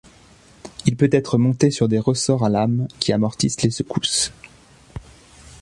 Il peut être monté sur des ressorts à lames qui amortissent les secousses.